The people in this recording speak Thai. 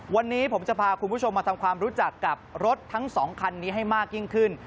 วันนี้ผมจะพาคุณผู้ชมมาทำความรู้จักกับรถทั้งสองคันนี้ให้มากยิ่งขึ้น